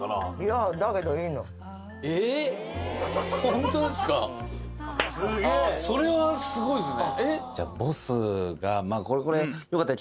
あっそれはすごいですね。